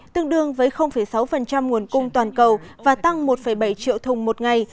tương đương với sáu nguồn cung toàn cầu và tăng một bảy triệu thùng một ngày